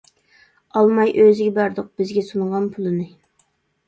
ئالماي ئۆزىگە بەردۇق، بىزگە سۇنغان پۇلىنى.